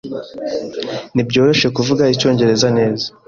Ntibyoroshye kuvuga icyongereza neza.